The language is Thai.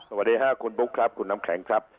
สวัสดีค่ะคุณบุ๊คครับคุณน้ำแข็งครับ